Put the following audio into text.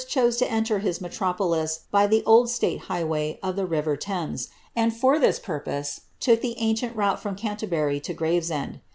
chose to enter his metropolis by the old state highway of the river Thames, and for this purpose took the ancient route from Can terbury to Gravesend.